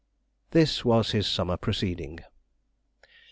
This was his summer proceeding.